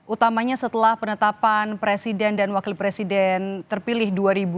utamanya setelah penetapan presiden dan wakil presiden terpilih dua ribu dua puluh